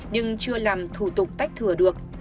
nhưng chưa làm thủ tục tách thửa được